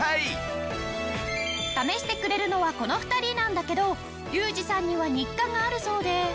試してくれるのはこの２人なんだけど龍二さんには日課があるそうで。